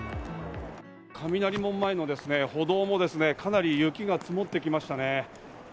雷門前の歩道もかなり雪が積もってきましたね。